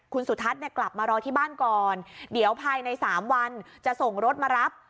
คุณสุทัศน์เนี่ยกลับมารอที่บ้านก่อนเดี๋ยวภายใน๓วันจะส่งรถมารับ